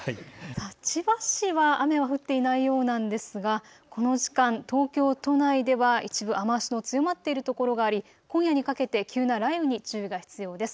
千葉市は雨は降っていないようなんですが、この時間、東京都内では一部、雨足の強まっているところがあり今夜にかけて急な雷雨に注意が必要です。